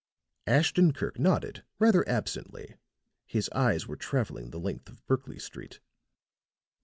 Ashton Kirk nodded rather absently; his eyes were traveling the length of Berkley Street.